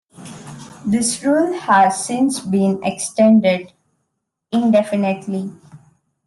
This rule has since been extended indefinitely.